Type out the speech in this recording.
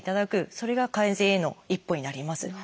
それが改善への一歩になります。